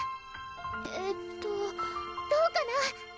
えーっとどうかな？